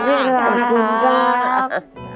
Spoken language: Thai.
ขอบคุณครับ